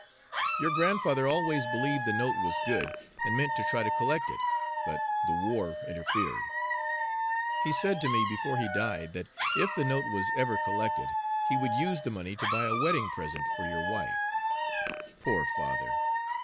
Your grandfather always believed the note was good, and meant to try to collect it, but the war interfered. He said to me, before he died, that if the note was ever collected, he would use the money to buy a wedding present for your wife. Poor father!